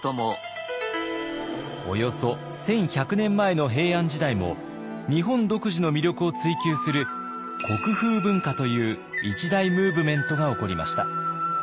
およそ１，１００年前の平安時代も日本独自の魅力を追求する国風文化という一大ムーブメントが起こりました。